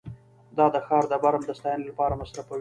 دا د ښار د برم د ستاینې لپاره مصرفوي